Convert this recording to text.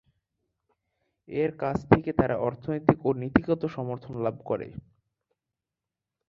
এর কাছ থেকে তারা অর্থনৈতিক ও নীতিগত সমর্থন লাভ করে।